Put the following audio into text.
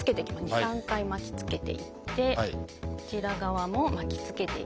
２３回巻きつけていってこちら側も巻きつけていきます。